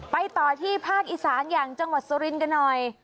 ไปต่อที่ภาคอีสานอย่างจังหวัดสุรินทร์กันหน่อย